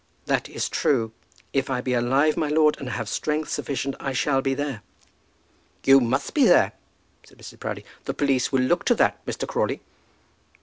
"That is true. If I be alive, my lord, and have strength sufficient, I shall be there." "You must be there," said Mrs. Proudie. "The police will look to that, Mr. Crawley."